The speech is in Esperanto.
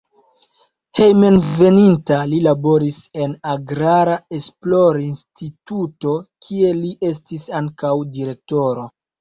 Hejmenveninta li laboris en agrara esplorinstituto, kie li estis ankaŭ direktoro.